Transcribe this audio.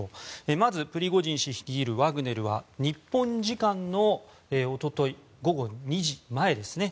まずプリゴジン氏率いるワグネルは日本時間のおととい午後２時前ですね